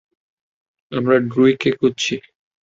আমরা ড্রুইগকে খুঁজছি।